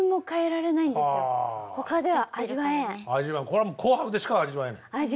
これはもう「紅白」でしか味わえない。